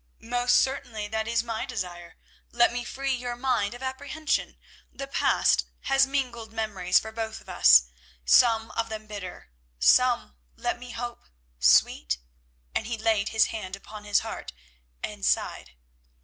"Most certainly; that is my desire. Let me free your mind of apprehension. The past has mingled memories for both of us, some of them bitter, some, let me hope, sweet," and he laid his hand upon his heart and sighed.